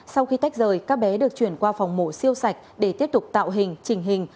sau khi tách rời các bé được chuyển qua phòng mổ siêu sạch để tiếp tục tạo hình trình hình